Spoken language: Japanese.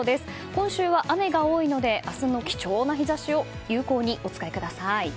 今週は雨が多いので明日の貴重な日差しを有効にお使いください。